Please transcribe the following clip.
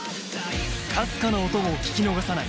かすかな音も聞き逃さない